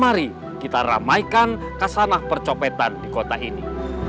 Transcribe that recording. mari kita ramaikan kasanah percopetan di kota ini